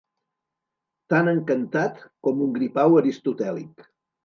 Tan encantat com un gripau aristotèlic.